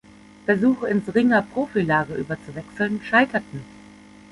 Versuche, ins Ringer-Profilager überzuwechseln, scheiterten.